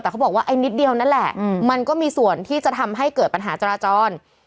แต่เขาบอกว่าไอ้นิดเดียวนั่นแหละมันก็มีส่วนที่จะทำให้เกิดปัญหาจราจร